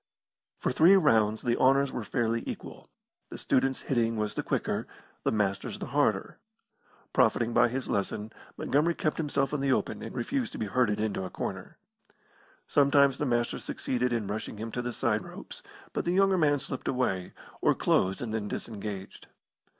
For three rounds the honours were fairly equal. The student's hitting was the quicker, the Master's the harder. Profiting by his lesson, Montgomery kept himself in the open, and refused to be herded into a corner. Sometimes the Master succeeded in rushing him to the side ropes, but the younger man slipped away, or closed and then disengaged.